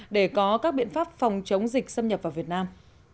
để có các biện pháp phòng chống dịch xâm nhập vào việt nam